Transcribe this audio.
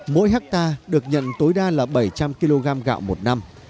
mỗi hectare được nhận tối đa là bảy trăm linh kg gạo một năm